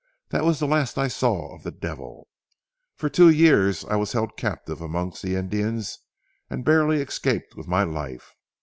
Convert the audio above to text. That was the last I saw of the devil. For two years I was held captive amongst the Indians and barely escaped with my life.